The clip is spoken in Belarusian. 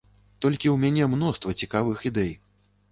Толькі ў мяне мноства цікавых ідэй.